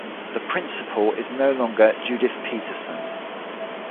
The principal is no longer Judith Peterson.